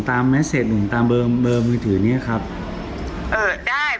แมสเซจหนึ่งตามเบอร์เบอร์มือถือเนี้ยครับเอ่อได้